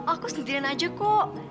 aku sendirian aja kok